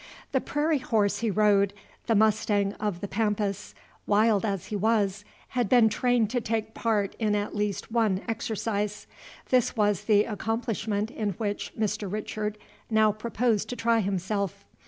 The prairie horse he rode, the mustang of the Pampas, wild as he was, had been trained to take part in at least one exercise. This was the accomplishment in which Mr. Richard now proposed to try himself.